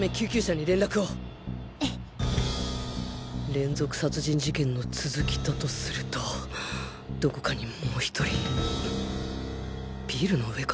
連続殺人事件の続きだとするとどこかにもう１人ビルの上か？